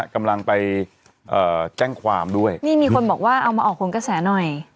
กำลังไปเอ่อแจ้งความด้วยนี่มีคนบอกว่าเอามาออกผลกระแสหน่อย